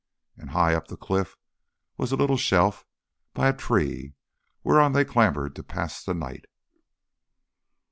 And high up the cliff was a little shelf by a tree, whereon they clambered to pass the night.